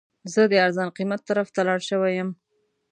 زه د ارزان قیمت طرف ته لاړ شوی یم.